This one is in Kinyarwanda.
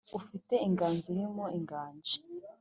Ufite inganzo irimo inganji